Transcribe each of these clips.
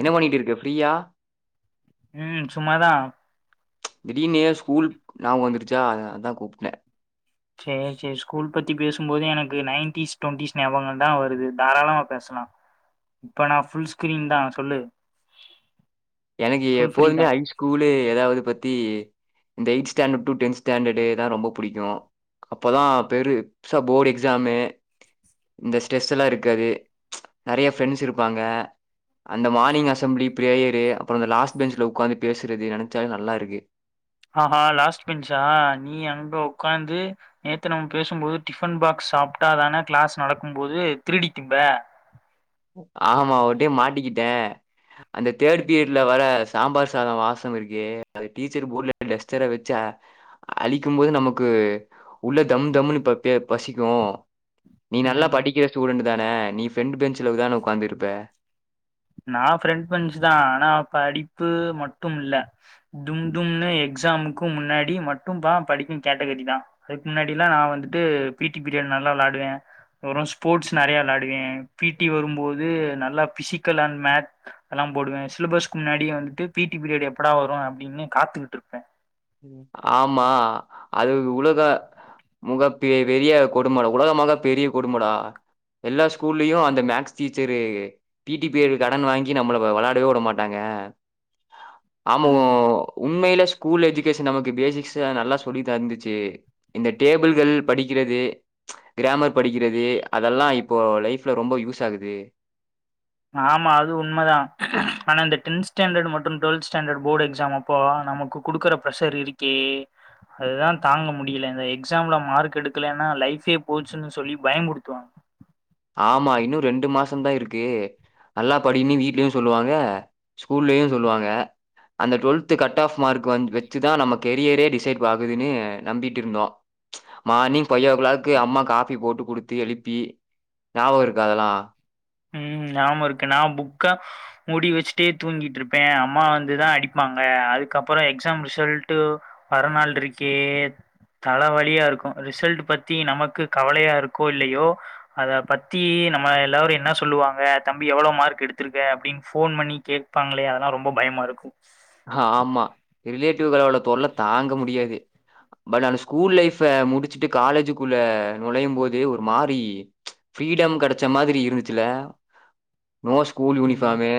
என்ன பண்ணிட்டுருக்க ஃப்ரீயா ம் சும்மாதா திடீர்னூ ஏ ஸ்கூல் ஞாபகோ வந்துருச்சா அதா கூப்ட்டே சேர் சேரி ஸ்கூல் பத்தி பேசும் போதே எனக்கு நைன்டிஸ் டுவெண்ட்டிஸ் ஞாபகந் தா வருது தாராளமா பேசலா இப்ப நா ஃபுல் ஸ்கிரீன் தா சொல்லு எனக்கு ஃபுல் ஃப்ரீ எப்போதுமே தான் ஹை ஸ்கூலு ஏதாவது பத்தி இந்த eighth standard to tenth standard தா ரொம்ப புடிக்கூ அப்பதா பெருசா போர்டு எக்ஸாமு இந்த ஸ்ட்ரெஸ்ல்லா இருக்காது நெறய ஃப்ரெண்ட்ஸ் இருப்பாங்க அந்த மார்னிங் அசம்பிளி பிரேயரு அப்புறம் அந்த லாஸ்ட் பெஞ்ச்ல ஒக்காந்து பேசுறது நெனச்சாலே நல்லாருக்கு அ ஆ லாஸ்ட் பென்ச்சா நீ அங்க உக்காந்து நேத்த நம்ம பேசும்போது டிஃபன் பாக்ஸ் சாப்ட்டா தான கிளாஸ் நடக்கும் போது திருடித் திம்ப ஆமா ஒரு டயம் மாட்டிக்கிட்டே அந்த தேர்ட் பீரியட்ல வர சாம்பார் சாதெ வாசம் இருக்கே அது டீச்சர் போர்ட்ல டஸ்ட்டர வெச்ச ஆழிக்கும் போது நமக்கு உள்ள தம் தம்னு பே பசிக்கூ நீ நல்லா ம் படிக்கிற ஸ்டூடெட் தானே நீ ஃப்ரெண்ட் பெஞ்சல தானே உக்காந்துருப்ப நான் ஃப்ரெண்ட் பெண்சுதா ஆனா படிப்பு மட்டும் இல்ல டும் டும்ன்னு எக்ஸாமுக்கு முன்னாடி மட்டும்தா படிக்கும் கேட்டகிரிதா அதுக்கு முன்னாடில்லா நா வந்துட்டு பீடி பிரியட் நல்லா விளயாடுவே அப்றோ ஸ்போர்ட்ஸ் நெறயா விளையாடுவே பீட்டி வரும்போது நல்லா பிசிக்கல் அண்ட் மேத் அதெல்லா போடுவே சிலபஸ்க்கு முன்னாடியே வந்துட்டு பீ டீ பீரியட் எப்படா வரூ அப்டின்னு காத்துகிட்டு இருப்பே ம் ஆமா அது உலக முக பெ பெரிய கொடுமுடா உலக மக பெரிய கொடுமுடா எல்லா ஸ்கூல்லயூ அந்த maths teacher P T period கடன் வாங்கி நம்மள வெ வெளாடவே விட மாட்டாங்க ஆ மோ ம் உண்மையில ஸ்கூல் ஏஜ் ச்சு நமக்கு பேசிக்ஸ் நல்லா சொல்லி தந்துச்சு இந்த டேபிள்கள் படிக்கிறது கிராமர் படிக்கிறது அதெல்லா இப்போ லைஃப்ல ரொம்ப யூஸ் ஆகுது ஆமா அது உண்ம தா ஆனா இந்த டென்த் ஸ்டேண்டர்ட் மற்றும் டுவல்த் ஸ்டேண்டர்ட் போர்டு எக்ஸாம் அப் போ நமக்கு குடுக்குற ப்ரஷர் இருக்கே அது தா தாங்க முடியல இந்த எக்ஸாமில மார்க் எடுக்கலன்னா லைஃபே போச்சுன்னு சொல்லி பயமுறுத்துவாங்க ஆமா இன்னு ரெண்டு மாசம தா இருக்கு நல்லா படின்னு வீட்லயு சொல்லுவாங்க ஸ்கூல்லயு சொல்லுவாங்க அந்த டுவெல்த் கட் ஆஃப் மார்க் வ வச்சுதா நம்ம கெரியரே டிசைட் ஆகுதுன்னு நம்பிட்டு இருந்தோ மார்னிங் ஃபை ஓ கிளாக்கு அம்மா காபி போட்டு குடுத்து எழுப்பி ஞாபக இருக்க அதெல்லா ம் ஞாமாருக்கு நா புக்க முடி வச்சுட்டே தூங்கிட்டு இருப்பேன் அம்மா வந்துதா அடிப்பாங்க அதுக்கப்பறோ எக்ஸாம் ரிசல்ட்டு வரநாள் இருக்கே தல வழியா இருக்கு ரிசல்ட் பத்தி நமக்கு கவலையா இருக்கோ இல்லையோ அத பத்தி நம்ம எல்லாரு என்ன சொ சொல்லுவாங்க தம்பி எவ்வளோ மார்க் எடுத்திருக்க அப்டின்னு போன் பண்ணி கேட்பாங்களே அதெல்லா ரொம்ப பயமாருக்கு ஆமா ரிலேட்டிவ் [unintelligible] தொல்ல தாங்க முடியாது பட் ஆன ஸ்கூல் லைஃப முடிச்சுட்டு காலேஜக்குள்ள நுழையும் போது ஒரு மாரி ஃரீடம் கிடைச்ச மாதிரி இருந்துச்சல நோ ஸ்கூல் ம் யூனிபாமு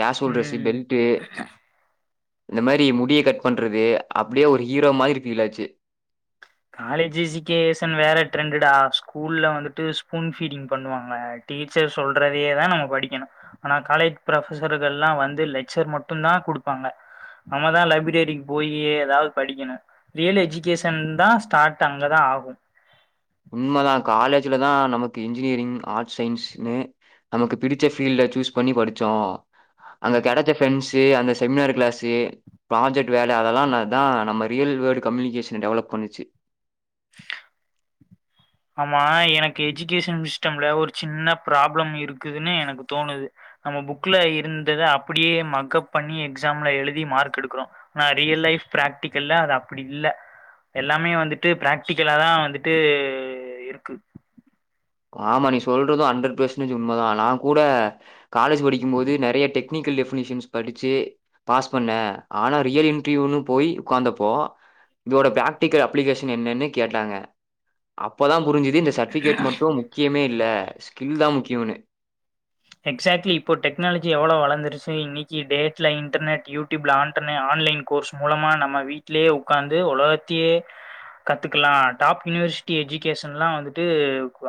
கேஷுவல் ட்ரெஸ்சு ம் பெல்ட்டு இந்த மாரி முடிய கட் பண்றது அப்டியே ஒரு ஹீரோ மாதிரி ஃபீல் ஆச்சு காலேஜ் எஜுகேஷன் வேற ட்ரெண்டடா ஸ்கூல்ல வந்துட்டு ஸ்பூன் ஃபீடிங் பண்ணுவாங்கள டீச்சர் சொல்றதையே தா நம்ம படிக்கணு ஆனா காலேஜ் ப்ரொபசர்கள்லா வந்து லெக்சர் மட்டு தா குடுப்பாங்க நம்மதா லைப்ரரிக்கு போய்யி ஏதாவது படிக்கணு ரியல் எஜுகேஷன் தா ஸ்டார்ட் அங்கதா ஆகு உண்மதா காலேஜ்ல தா நமக்கு இன்ஜினியரிங் ஆர்ட்ஸ் சயின்ஸ்ன்னு நமக்கு பிடிச்ச ஃபீல்ட சூஸ் பண்ணி படிச்சோ அங்க ம் கெடச்ச பிரெண்ட்ஸ்சு அந்த செமினார் கிளாசு ப்ராஜெக்ட் வேல அதெல்லா தா நம்ம ரியல் வேர்டு கம்யூனிகேஷன டெவலப் பண்ணுச்சு ஆமா எனக்கு எஜுகேஷன் சிஸ்டம்ல ஒரு சின்ன ப்ராப்ளம் இருக்குதுன்னு எனக்கு தோணுது நம்ம புக்ல இருந்தத அப்படியே மக்கஅப் பண்ணி எக்ஸாம்ல எழுதி மார்க் எடுக்றோ ஆனா ரியல் லைஃப் பிராக்டிக்கல்ல அது அப்டி இல்ல எல்லாமே வந்துட்டு பிராக்டிகலாதா வந்துட்டு இருக்கு ஆமா நீ சொல்றதும் ஹண்ட்ரட் பெர்சன்டேஜ் உண்மதா நா கூட காலேஜ் படிக்குபோது நெறைய டெக்னிக்கல் டெஃபினிஷன்ஸ் படிச்சு பாஸ் பண்ணே ஆனா ரியல் இன்ட்ர்வியூன்னு போய் ஒக்காந்தப்போ இதோட பிராக்டிகல் அப்ளிகேஷன் என்னன்னு கேட்டாங்க அப்பதா புரிஞ்சுது இந்த சர்டிபிகேட் மட் முக்கியமே இல்ல ஸ்கில் தா முக்கியனு எகஸாக்ட்லி இப்போ டெக்னாலஜி எவ்ளோ வளந்துருச்சு இன்னைக்கு டேட்ல internet YouTube and online course மூலமா நம்ம வீட்லயே ஒக்காந்து உலகத்தையே கத்துக்கலா டாப் யூனிவர்சிட்டி எஜுகேஷன்ல்லா வந்துட்டு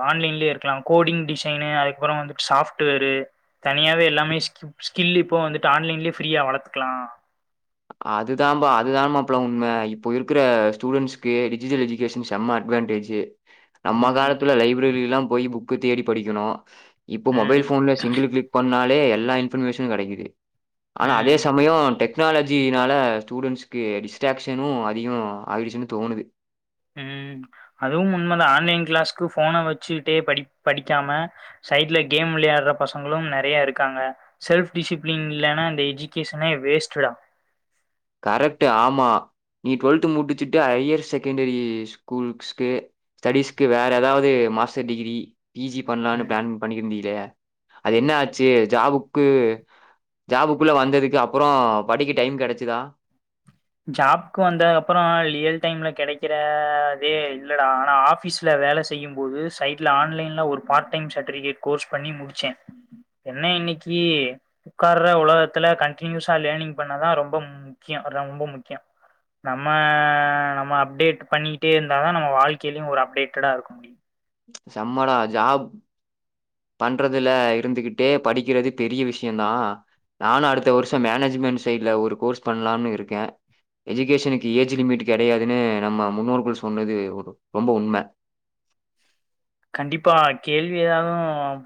ஆன்லைன்லேயே இரு கல கோடிங் டிசைனு அதுக்கப்பற வந்துட்டு சாப்ட் டுவேரு தனியாவே எல்லாமே ஸ்கிப் ஸ்கில் இப்போ வந்துட்டு ஆன்லைன்லயே ஃப்ரீயா வளத்துக்கலா அதுதா பா அதுதான மாப்ள உண்ம இப்ப இருக்குற ஸ்டூடண்ட்ஸ்கு டிஜிட்டல் எஜ் ஜிகேஷன் செம்ம அட்வான்டேஜ் நம்ம ம். காலத்துல லைப்ரரிலா போய் புக்கு தேடி படிக்கணு இப்போ மொபைல் ம். ஃபோன்ல சிங்கிள் கிளிக் பண்ணாலே எல்லா இன்ஃபர்மேஷனு கெடைக்குது ஆனா ம். அதே சமயம் டெக்னால ஜினால ஸ்டூடெண்ட்ஸ்க்கு டிஸ்ட்ராக்ஷனு அதிகோ ஆயிடுச்சுன்னு தோணுது ம் அதுவு உண்மதா ஆன்லைன் க்ளாஸ்கு ஃபோன வச்சுட்டே படி படிக்காம சைட்ல கேம் விளையாடுற பசங்களு நெறைய இருக்காங்க செல்ப் டிசிப்ளின் இல்லன்னா அந்த எஜுகேஷனே வேஸ்ட்டுடா கரெக்ட் ஆமா நீ டுவெல்த்து முடிச்சுட்டு ஹையர் செகண்டரி ஸ்கூல்ஸ்கு ஸ்டடிஸ்கு வேற ஏதாவது மாஸ்டர் டிகிரி பி ஜி பண்லானு ம் ப்ளான் பண்ணிருந்தில்லையா அது என்னாச்சு ஜாபுக்கு ஜாபுக்குள்ள வந்ததுக்கு அப்பறோ படிக்க டைம் கெடச்சதா ஜாப்கு வந்தது அப்பற லியல் டைம்ல கெடைக்கிற அதே இல்லடா ஆனா ஆபீஸ் ல வேலை செய்யும் போது சைட்ல ஆன்லைன்ல ஒரு பார்ட் டைம் சரிபிகேட் கோர்ஸ் பண்ணி முடிச்சே என்ன இன்னைக்கு ஒக்கார்ற உலகத்துல கண்டினியூஸா லேர்னிங் பண்ணாதா ரொம்ப ம் முக்கியோ ரொம்ப முக்கியோ நம்ம நம்ம அப்டேட் பண்ணிட்டே இருந்தாதா நம்ம வாழ்க்கையிலயு ஒரு அப்டேட்டடா இருக்க முடியு செம்மடா ஜாப் பண்றதுல இருந்துகிட்டே படிக்கிறது பெரிய விஷயந்தா நானு அடுத்த வருஷ மேனேஜ்மெண்ட் சைட்ல ஒரு கோர்ஸ் பண்ணலாம்னு இருக்கே எஜுகேஷனுக்கு ஏஜ் லிமிட்டு கெடையாதுன்னு நம்ம முன்னோர்கள் சொன்னது ஒரு ரொம்ப உண்ம கண்டிப்பா கேள்வி எதாவது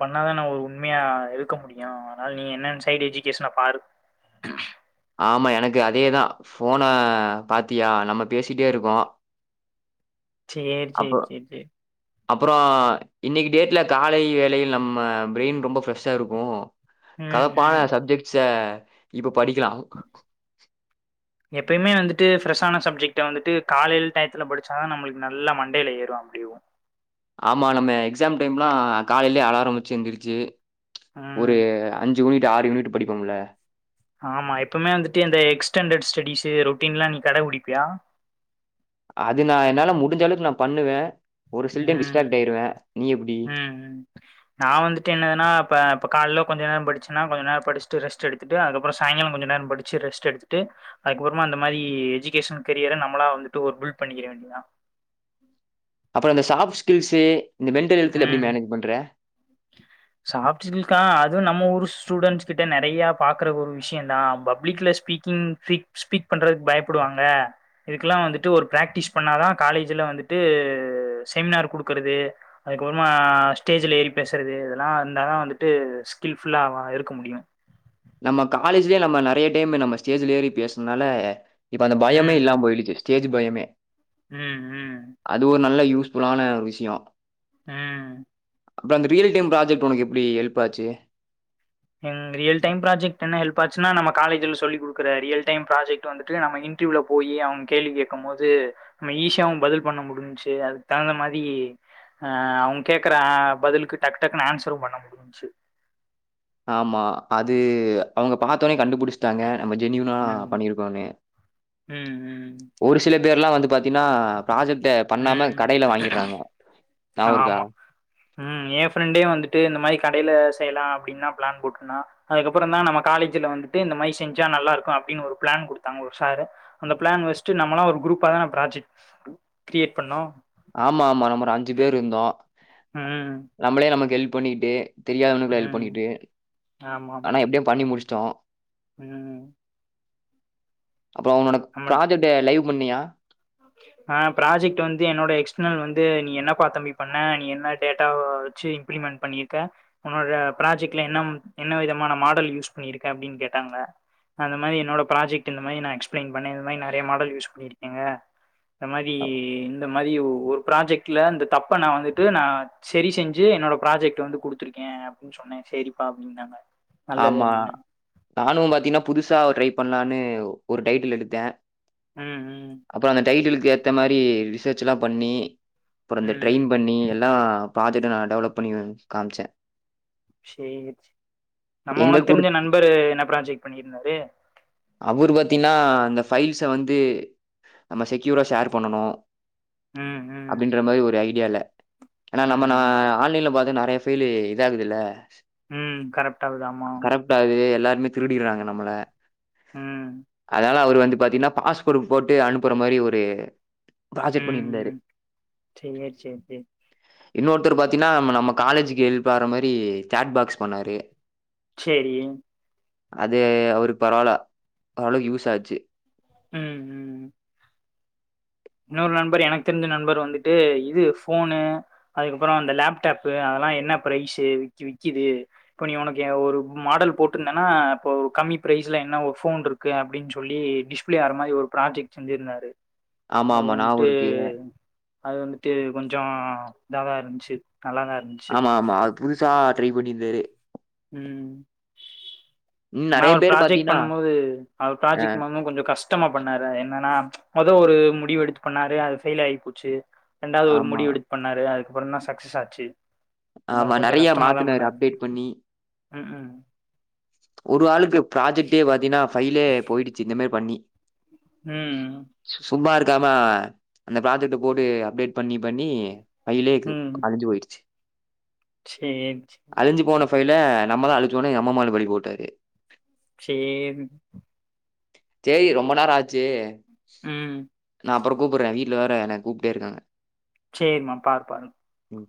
பண்ணாதான ஒரு உண்மையா இருக்க முடியு அதனால நீ என்னென்ன சைடு எஜி கேஷன பாரு ஆமா எனக்கு அதேதா ஃபோன பாத்தியா நம்ம பேசிட்டேருக்கோ சேர் சேரி சேர் செரி அப்பற இன்னைக்கு டேட்ல காலை வேலையில் நம்ம ப்ரெயின் ரொம்ப ஃப்ரெஷ்ஷா இருக்கு ம் கலப்பான ம் சப்ஜெக்ட்ஸ இப்ப படிக்கலா எப்பயுமே வந்துட்டு ஃப்ரெஷான சப்ஜெக்ட்ட வந்துட்டு காலையில் டயத்துல படிச்சாத தா நமளுக்கு நல்ல மண்டயில ஏறு [unintelligible] ஆமா நம்ம எக்ஸாம் டைம்லா காலையிலயே அலாரம் வச்சு எந்துருச்சு ம் ஒரு அஞ் யூனிட் ஆறு யூனிட் படிப்போம்ல ஆமா எப்பமே வந்துட்டு இந்த எக்ஸ்டாண்டர்ட் ஸ்டடிஸ்சு ரொட்டீன்ல்லா நீ கடபுடிப்பியா அது நா என்னால முடிஞ்ச அவுக்கு நா பண்ணுவே ஒரு சில டைம் ம் டிஸ்ட்ராக்ட் ஆயிருவே நீ எப்டி ம் ம் நா வந்துட்டு என்னனா இப்ப இப்போ கால கொஞ்ச நேரொ படிச்சுனா கொஞ்ச நேர படிச்சட்டு ரெஸ்ட் எடுத்துட்டு அதுக்கப்பறொ சாய்ங்கால கொஞ்ச நேரொ படிச் ச்சி ரெஸ்ட் எடுத்துட்டு அதுக்கப்பறமா அந்த மாரி எஜகேஷன் கரியர நம்ளா வந்துட்டுஒரு பில்ட் பண்ணிக்கிறவேனண்டியதா அப்பறொ அ சாஃப்ட ஸ்கில்ஸு இந்த மென்டல் ஹெல்த்ல எப்டி மேனேஜ் பண்ற [inaudible] சாப்ட் ஸ்கில் ஆ அது நம்ம ஊரு ஸ்டூடண்ட்ஸ் கிட்ட நெறையா பாக்ற ஒரு விஷயந்தா பப்ளிக்ல ஸ்பீக் ம் ஸ்பீச் ஸ்பீட் பண்றதுக்கு பயப்படுவாங்க இதுக்கெல்லா வந்துட்டு ஒரு பிராக்டிஸ் பண்ணாதா காலேஜ்ல வந்துட்டு செமினார் குடுக்குறது அதுக்கப்பமா ஸ்டேஜில்ல ஏறி பேசுறது இதெல்லா இருந்தாதா வந்துட்டு ஸ்கில் ஃபுல்லா இருக்க முடியு நம்ம காலேஜ்லே நம்ம நெறயா டைம் நம்ம ஸ்டேஜ்ல ஏறி பேசுதுனால இப்ப அந்த ம் பயமே இல்லாம ம் போயிருச்சு ஸ்டேஜ் பயமே ம் ம் அது ஒரு நல்ல யூஸ் ஃபுல்லான ஒரு விஷயொ ம் அப்பறோ அந்த ரீல் டைம் ப்ராஜெக்ட் ஓனக்கு எப்டி ஹெல்ப் ஆச்சு ம் ரியல் டைம் ப்ராஜெக்ட் என்ன ஹெப் ஆச்சுனா நம்ம காலேஜ்ல சொல்லி குடுக்ற ரியல்டைம் ப்ராஜக்ட் வந்துட்டு நம்ம இ ன்ட்ர்வியூல போயி அவ கேள்வி கேக்குபோது நம்ம ஈசியாவு பதில் பண்ண முடிஞ்ச்சு அதுக்கு தகுந்த மாரி அ அவுங்க கேக்கற அ பதிலுக்கு டக்கு டக்குனு ஆன்சரு பண்ண முடிஞ்ச்சு ஆமா அது அவுங்க பாத்தோனே கண்டுபுடிச்சு ட்டாங்க நம்ம ஜெனினினா ம் பண்ணிருக்கோனு ம் ம் ஒரு சில பேர்லா வந்து பாத் தீனா ப்ராஜெக்ட்ட பண்ணாம ம் கடைல வாங்கிட்றானுவோ ஆமா ம் ஏ ஃப்ரெண்டே வந்துட்டு இந்த மாரி கடைல செய்லா அப்டின்தா பிளான் போட்ருந்தா அதுக்கப்றோந்தா நம்ம காலேஜ்ல வந்துட்டு இந்த மாரி செஞ்சா நல்லா இருக்கு அப்டின்னு ஒரு பிளான் குடுத்தாங்க ஒரு சாரு அந்த பிளான் வச்சுட்டு நம்மளா ஒரு குரூப்பாதான ப்ராஜெக்ட் கிரியேட் பண்ணோ ஆமா ஆமா நம்ம ஒரு அஞ்சி பேரு இருந்தோ ம் நம்மளே நமக்கு ஹெல்ப் பண்ணிக்கிட்டு தெரியாதவனுக்கூட ஹெல்ப் ம் பண்ணிட்டு ஆமாமா ஆனா எப்டியோ பண்ணி முடிச்சுட்டோ ம் அப்றோ ஒன்னோட ப்ராஜெக்ட்ட லைவ் பண்ணியா ஓகே ஆ ப்ராஜெக்ட் வந்து என்னோட எக்ஸ்டர்னல் வந்து நீ என்ன ப்பா தம்பி பண்ண நீ என்ன டேட்டாவ வச்சு இம்ப்ளிமெண்ட் பண்ணிருக்க ஒன்னோட ப்ராஜெக்ட்ல என்ன என்ன விதமான மாடல் யூஸ் பண்ணிருக்க அப்டின்னு கேட்டாங்க அந்த மாரி என்னோட ப்ராஜெக்ட் இந்த மாரி நா எக்ஸ்பிளைன் பண்ண இந்த மாரி நெறைய மாடல் யூஸ் பண்ணிருக்கேங்க இந்த மாரி இந்த மாரி ஒரு ப்ராஜெக்ட்ல இந்த தப்ப நா வந்துட்டு நா செரி செஞ்சு என்னோட ப்ராஜெக்ட் வந்து குடுத்துருக்கே அப்டின்னு சொன்னே சேரிப்பா அப்டின்னாங்க நல்லது ஆமா அப்டின்னாங்க நானு பாத்தீனா புதுசா ட்ரை பண்லான்னு ஒரு டைட்டில் எடுத்த ம், ம் அப்றோ அந்த டைட்டலுக்கு ஏத்ம மாரி ரிசர்ச்லா பண்ணி அப்பறோ அந்த ம் ட்ரெயின் பண்ணி எல்லா ப்ராஜெக்ட்ட நா டெவப் பண்ணு காமிச்ச சேரி சேரி, நம்ம எங்க ஒனக்கு தெரிஞ்ச குடுத் நண்பரு என்ன ப்ராஜெக்ட் பண்ணிருந்தாரு அவரு பாத்தீன்னா அந்த ஃபைல்ஸ வந்து நம்ம செக்யூரா ஷேர் பண்ணணு ம் ம் அப்டின்ற மாரி ஒரு ஐடியால ஏனா நம்ம நா ம். ஆன்லைன்ல பாத்த நெறையா ஃபைலு இதாகுதுல்ல ம், கரெப்டாதாவுது, ஆமா ரெண்டாவது எல்லாருமே திருடிட்றாங்க நம்மள ம் அதனால அவரு வந்து பாத்தீன்னா பாஸ்வேர்ட் போட்டு அனுப்புற மாரி ஒரு ப்ராஜெக்ட் பண்ணிருந்தாரு ம். சரி, சரி, சரி. இன்னொருத்தர் பாத்தீன்னா நம்ம நம்ம காலேஜுக்கு ஹெல்ப் ஆகுற மாரி சாட் பாக்ஸ் பண்ணாரு சேரி அது அவரு பரவால்ல ஓரளவுக்கு யூஸ் ஆச்சு ம் ம். இன்னொரு நண்பர் எனக்கு தெரிஞ்ச நண்பர் வந்துட்டு இது ஃபோனு அதுக்கப்றோ அந்த லேப்டாப்பு அதெல்லா என்ன ப்ரைஸு விக்கி விக்கிது இப்போ நீ ஒனக்கு எ ஒரு மாடல் போட்டுருந்தன்னா இப்போ கம்மி பிரைஸ்ல என்ன ஒரு ஃபோன் இரு க்கு அப்டின் சொல்லி டிஸ்பிளே ஆற மாரி ஒரு ப்ராஜெக்ட் செஞ்சிருந்தாரு ஆமா, அது ஆமா. வந்துட்டு ஞாபகம் இருக்கு. அது வந்துட்டு கொஞ்சோ இதாதா இருந்ச்சு நல்லாதா இருந் ஆமா ஆமா அது புதுசா ட்ரை பண்ணியிருந்தாரு ம் இன்னும் ஆனா நெறைய அவுரு பேர் ப்ராஜெக்ட் பார்த்தீங்கன்னா பண்ணும் போது அவர் அ ப்ராஜெக்ட் பண்ணும்போ கொஞ்சோ கஷ் ட்டமா பண்ணாரு என்னன்னா மொத ஒரு முடிவு எடுத்து பண்ணாரு அது ஃபெயில் ஆயிப்போச்சு ரெண்டாவ்து ஒரு ஆமா, முடிவு எடுத்து பண்ணாரு அதுக்கப்றோந்தா சக்சஸ் ஆச்சு ஆமா அவர் கொஞ்சம் நறைய கஷ்டமா தான் மாத்துனாரு பண்ணாரு அப்டேட் பண்ணி ம் ம் ஒரு ஆளுக்கு ப்ராஜக்டே பாத்தீன்னா ஃபைலே போயிடுச்சி இந்த மாரி பண்ணி ம் சும்மா இருக்காமா அந்த ப்ராஜக்ட்ட போட்டு அப்டேட் பண்ணி பண்ணி ஃபையிலேக்கு ம் அழிஞ்சு போயிருச்சு சரி அழிஞ்சு போன ஃபைல நம்ம தா அழிச்சோனு நம்ம மேல பழி போட்டாரு சேரின் சேரி ரொம்ப நேரோ ஆச்சு ம் நா அப்புறோ கூப்புற வீட்ல வேற என்னய கூப்ட்டே இருக்காங்க சேரிம்மா பாரு பாருங்க ம்.